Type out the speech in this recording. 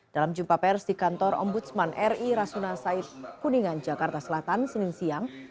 dalam jumpa pers di kantor ombudsman ri rasuna said kuningan jakarta selatan senin siang